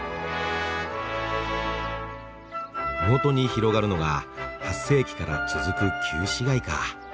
麓に広がるのが８世紀から続く旧市街か。